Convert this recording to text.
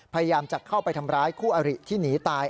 พยายามจะเข้าไปทำร้ายคู่อริที่หนีตาย